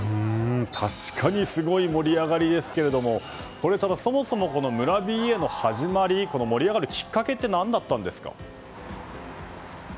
確かにすごい盛り上がりですけれどもただ、そもそも村ＢＡの始まり盛り上がるきっかけは何だったんですか？